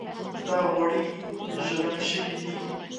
دا غوړي ږغن شوي دي.